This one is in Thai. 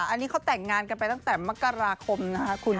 อันนี้เขาแต่งงานกันไปตั้งแต่มกราคมนะคะคุณ